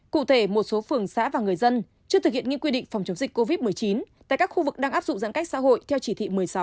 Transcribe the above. cụ thể một số phường xã và người dân chưa thực hiện nghiêm quy định phòng chống dịch covid một mươi chín tại các khu vực đang áp dụng giãn cách xã hội theo chỉ thị một mươi sáu